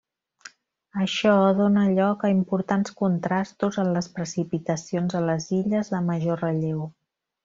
Això dóna lloc a importants contrastos en les precipitacions a les illes de major relleu.